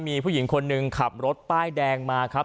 มีผู้หญิงคนหนึ่งขับรถป้ายแดงมาครับ